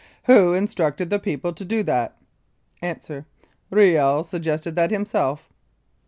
Who instructed the people to do that? A. Riel suggested that himself.